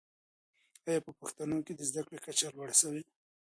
آیا په پښتنو کي د زده کړې کچه لوړه سوې؟